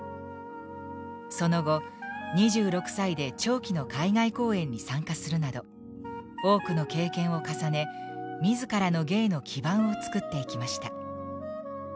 その後２６歳で長期の海外公演に参加するなど多くの経験を重ね自らの芸の基盤を作っていきました。